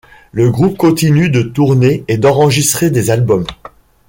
Le groupe continue de tourner et d’enregistrer des albums.